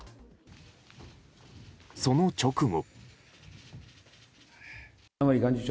その直後。